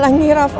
dan halangi rafael